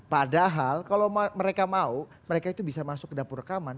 padahal kalau mereka mau mereka itu bisa masuk ke dapur rekaman